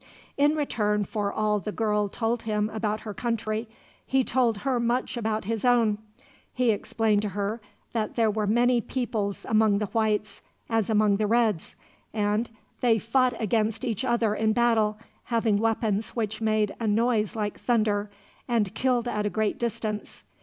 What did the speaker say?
In return for all the girl told him about her country, he told her much about his own. He explained to her that there were many peoples among the whites, as among the reds; and they fought against each other in battle, having weapons which made a noise like thunder, and killed at a great distance.